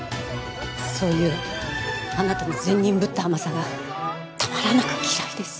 そういうあなたの善人ぶった甘さがたまらなく嫌いです。